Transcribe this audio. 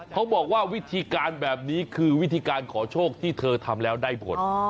เขาบอกว่าวิธีการแบบนี้คือวิธีการขอโชคที่เธอทำแล้วได้ผล